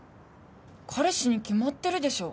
彼氏に決まってるでしょ。